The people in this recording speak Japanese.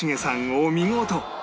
お見事！